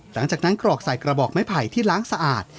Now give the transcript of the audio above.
หลังจากนั้นกรอกใส่กระบอกไม้ไผ่ที่ล้างสะอาด